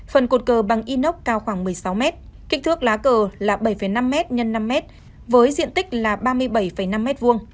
phần cột cờ bằng inox cao khoảng một mươi sáu m kích thước lá cờ là bảy năm m x năm m với diện tích là ba mươi bảy năm m hai